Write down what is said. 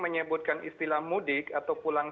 menyebutkan istilah mudik atau pulang